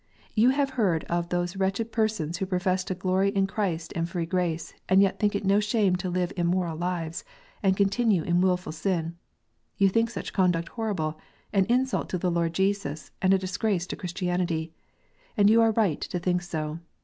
You have heard of those wretched persons who profess to glory in Christ and free grace, and yet think it no shame to live immoral lives, and continue in wilful sin. You think such conduct horrible, an insult to the Lord Jesus, and a disgrace to Christianity. And you are right to think so.